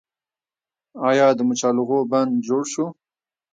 آیا د مچالغو بند جوړ شو؟